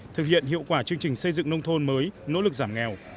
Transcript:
thực hiện hiệu quả chương trình xây dựng nông thôn mới nỗ lực giảm nghèo